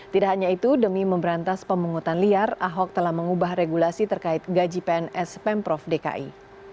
tidak hanya itu demi memberantas pemungutan liar ahok telah mengubah regulasi terkait gaji pns pemprov dki